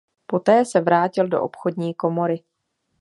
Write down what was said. Poté se vrátil do obchodní komory.